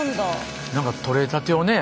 何か取れたてをね